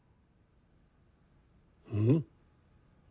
うん？